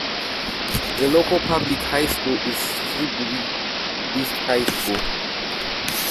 The local public high school is Sibley East High School.